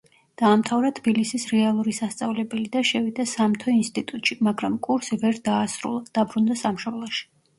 დაამთავრა თბილისის რეალური სასწავლებელი და შევიდა სამთო ინსტიტუტში, მაგრამ კურსი ვერ დაასრულა, დაბრუნდა სამშობლოში.